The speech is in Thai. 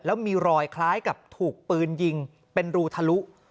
แล้วมีรอยคล้ายกับถูกปืนยิงเป็นรูทะลุ